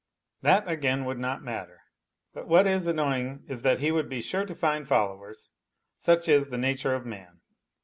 " That again would not matter; but what is annoying is that he would be sure to find followers such is the nature of man.